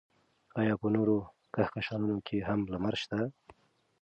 ایا په نورو کهکشانونو کې هم لمر شته؟